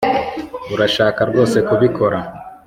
urashaka rwose kubikora